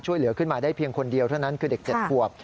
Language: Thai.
ช่วยเหลือขึ้นมาได้เพียงคนเดียวเท่านั้นคือเด็ก๗ขวบ